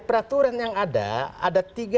peraturan yang ada ada tiga